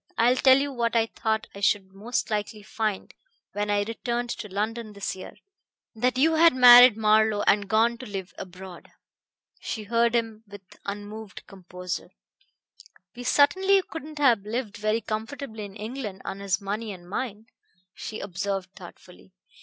I will tell you what I thought I should most likely find when I returned to London this year: that you had married Marlowe and gone to live abroad." She heard him with unmoved composure. "We certainly couldn't have lived very comfortably in England on his money and mine," she observed thoughtfully.